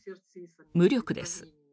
無力です。